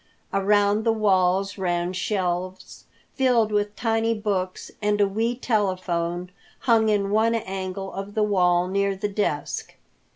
Around the walls ran shelves filled with tiny books, and a wee telephone hung in one angle of the wall, near the desk.